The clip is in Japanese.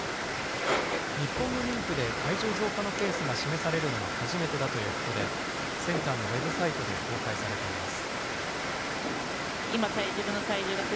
日本の妊婦で体重増加のペースが示されるのは初めてだということで、センターのウェブサイトで公開されています。